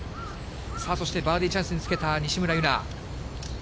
さあそして、バーディーチャンスにつけた西村優菜。